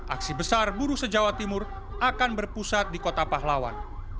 aksi besar buruh se jawa timur akan berpusat di kota pahlawan